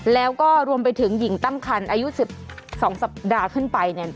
แล้วก็รวมไปถึงหญิงตั้งคันอายุ๑๒สัปดาห์ขึ้นไป